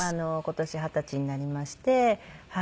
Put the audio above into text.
今年二十歳になりまして。